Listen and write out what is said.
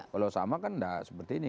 kalau sama kan tidak seperti ini